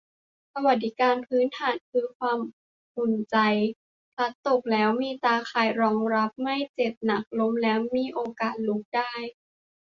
สวัสดิการพื้นฐานคือความอุ่นใจ พลัดตกแล้วมีตาข่ายรองรับให้ไม่เจ็บหนัก ล้มแล้วมีโอกาสลุกได้